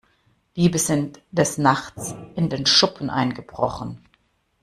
Diebe sind des Nachts in den Schuppen eingebrochen.